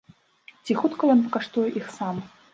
Ці хутка ён пакаштуе іх сам?